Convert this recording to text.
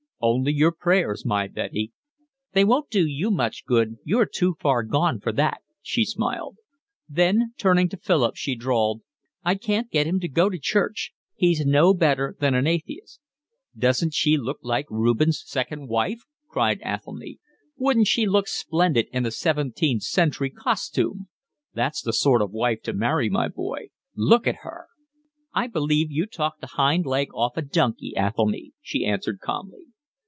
"Only your prayers, my Betty." "They won't do you much good, you're too far gone for that," she smiled. Then, turning to Philip, she drawled: "I can't get him to go to church. He's no better than an atheist." "Doesn't she look like Rubens' second wife?" cried Athelny. "Wouldn't she look splendid in a seventeenth century costume? That's the sort of wife to marry, my boy. Look at her." "I believe you'd talk the hind leg off a donkey, Athelny," she answered calmly.